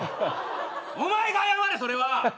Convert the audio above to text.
お前が謝れそれは。